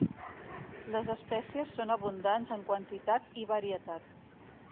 Les espècies són abundants en quantitat i varietat.